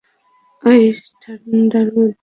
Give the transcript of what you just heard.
এই ঠাণ্ডার মধ্যে!